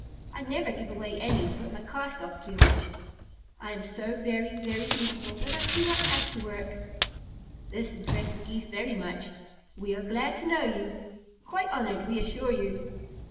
I never give away any but my cast off plumage. I am so very, very beautiful that I do not have to work." This impressed the Geese very much. "We are glad to know you. Quite honored, we assure you!"